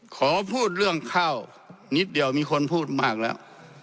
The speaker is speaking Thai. ขอพูดเรื่องข้าวนิดเดียวมีคนพูดมากแล้ว